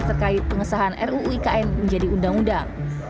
terkait pengesahan ruu ikn menjadi undang undang